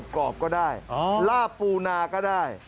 กรอบก็ได้ลาบปูนาก็ได้